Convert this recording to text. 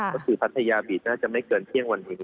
ก็คือพัทยาบีตน่าจะไม่เกินเที่ยงวันนี้